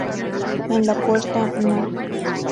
En la puerta No.